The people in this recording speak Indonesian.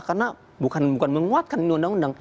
karena bukan menguatkan undang undang